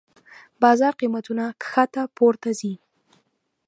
بازار قېمتونه کښته پورته ځي.